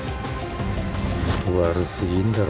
悪すぎんだろ